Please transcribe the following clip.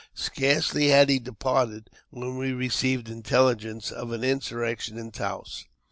Scarcely had he departed when we received intelligence of an insurrection in Taos.